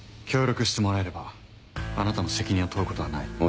協力してもらえればあなたの責任を問うことはない。